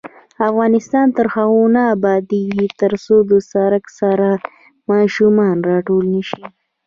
افغانستان تر هغو نه ابادیږي، ترڅو د سړک سر ماشومان راټول نشي.